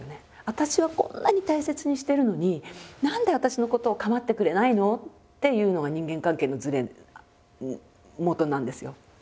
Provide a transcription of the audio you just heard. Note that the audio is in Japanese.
「私はこんなに大切にしてるのに何で私のことを構ってくれないの？」っていうのが人間関係のずれのもとなんですよ。